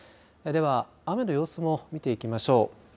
では雨の様子も見ていきましょう。